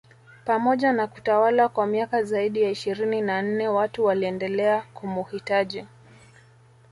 Pamoja na kutawala kwa miaka zaidi ya ishirini na nne watu waliendelea kumuhitaji